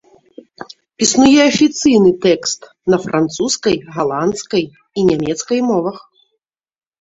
Існуе афіцыйны тэкст на французскай, галандскай і нямецкай мовах.